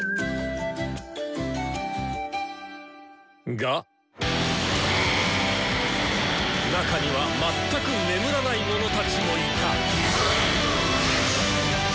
が中には全く眠らない者たちもいた！